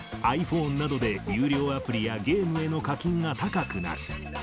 ｉＰｈｏｎｅなどで有料アプリやゲームへの課金が高くなる。